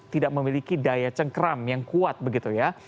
tidak memiliki daya cengkram yang kuat begitu ya